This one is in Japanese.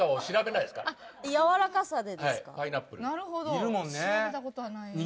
いるもんね。